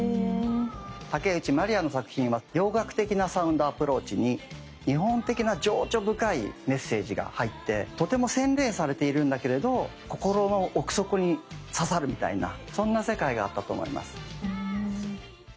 竹内まりやの作品は洋楽的なサウンドアプローチに日本的な情緒深いメッセージが入ってとても洗練されているんだけれど心の奥底に刺さるみたいなそんな世界があったと思います。